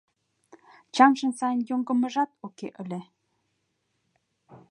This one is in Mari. Чаҥжын сайын йоҥгымыжат уке ыле.